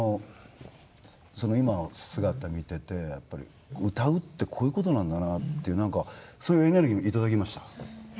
その今の姿見てて歌うってこういうことなんだなっていうそういうエネルギー頂きました。